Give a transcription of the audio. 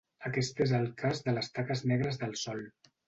Aquest és el cas de les taques negres del Sol.